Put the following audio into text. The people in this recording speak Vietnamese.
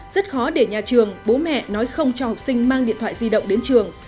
rất khó để nhà trường bố mẹ nói không cho học sinh mang điện thoại di động đến trường